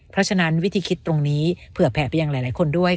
เพราะฉะนั้นวิธีคิดตรงนี้เผื่อแผ่ไปยังหลายคนด้วย